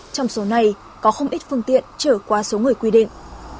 trong số này có không ít phương tiện trở qua số người quy định